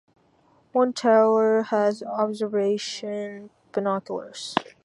One tower has observation binoculars.